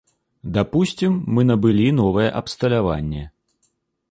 Дапусцім, мы набылі новае абсталяванне.